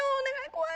怖い。